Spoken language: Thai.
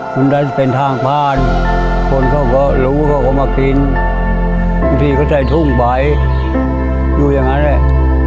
คุณดันเป็นทางผ่านคนเขาก็รู้เขาก็มากินบางทีก็ใส่ทุ่งใบอยู่อย่างนั้นแหละ